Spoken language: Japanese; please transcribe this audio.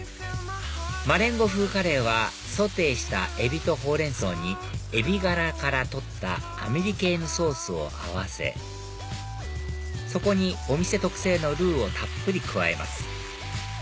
マレンゴ風カレーはソテーしたエビとホウレンソウにエビ殻から取ったアメリケーヌソースを合わせそこにお店特製のルーをたっぷり加えます